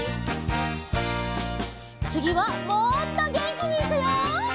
つぎはもっとげんきにいくよ！